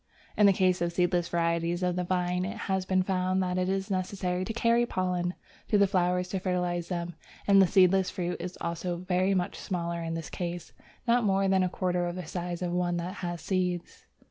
In the case of seedless varieties of the Vine, it has been found that it is necessary to carry pollen to the flowers to fertilize them, and the seedless fruit is also very much smaller in this case, not more than a quarter of the size of one that has seeds.